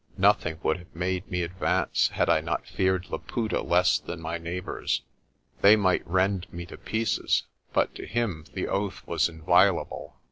Nothing would have made me advance had I not feared Laputa less than my neighbours. They might rend me to pieces, but to him the oath was inviolable.